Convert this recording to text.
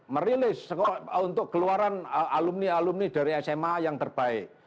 merilis untuk keluaran alumni alumni dari sma yang terbaik